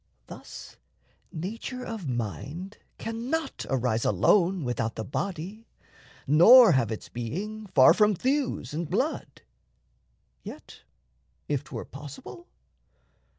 Thus nature of mind cannot arise alone Without the body, nor have its being far From thews and blood. Yet if 'twere possible?